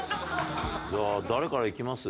じゃあ誰からいきます？